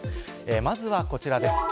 まずはこちらです。